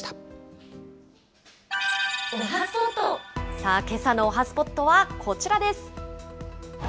さあ、けさのおはＳＰＯＴはこちらです。